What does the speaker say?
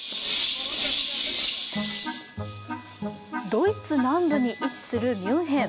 ドイツ南部に位置するミュンヘン。